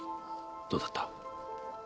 どうだった？